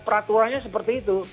peraturan seperti itu